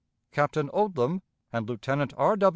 "Captain Odlum and Lieutenant R.